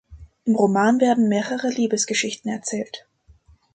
Im Roman werden mehrere Liebesgeschichten erzählt.